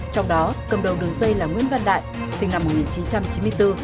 trong đó cầm đầu đường dây là nguyễn văn đại sinh năm một nghìn chín trăm chín mươi bốn